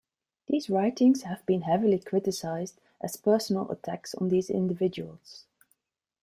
These writings have been heavily criticized as personal attacks on these individuals.